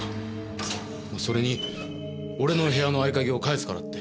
それに俺の部屋の合鍵を返すからって。